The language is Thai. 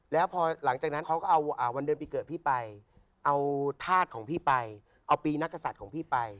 แล้วพอหลังจากนั้นเขาก็เอาวันเดือนปีเกิดพี่ไปเอาธาตุของพี่ไปเอาปีนักศัตริย์ของพี่ไป